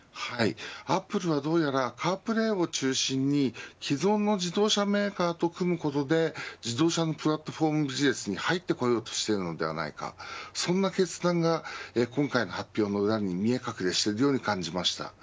アップルはどうやらカープレーを中心に既存の自動車メーカーと組むことで自動車のプラットフォームビジネスに入ってこようとしているのではないかそんな決断が今回の発表の裏に見え隠れしているように感じました。